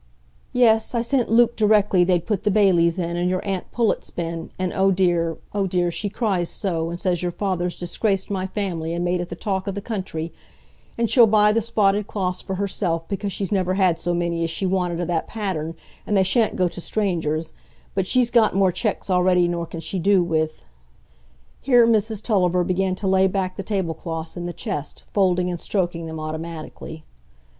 "Yes, I sent Luke directly they'd put the bailies in, and your aunt Pullet's been—and, oh dear, oh dear, she cries so and says your father's disgraced my family and made it the talk o' the country; and she'll buy the spotted cloths for herself, because she's never had so many as she wanted o' that pattern, and they sha'n't go to strangers, but she's got more checks a'ready nor she can do with." (Here Mrs Tulliver began to lay back the tablecloths in the chest, folding and stroking them automatically.)